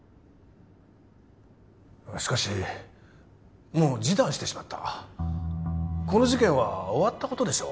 しかしもう示談してしまったこの事件は終わったことでしょう？